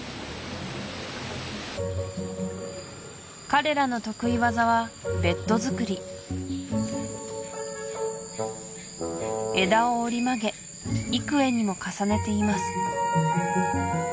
彼らの得意技はベッド作り枝を折り曲げ幾重にも重ねています